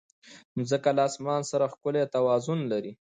مځکه له اسمان سره ښکلی توازن لري.